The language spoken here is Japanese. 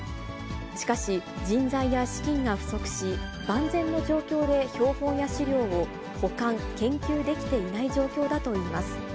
しかし、人材や資金が不足し、万全の状況で標本や資料を保管・研究できていない状況だといいます。